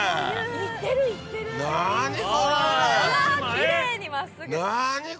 きれいに真っすぐ。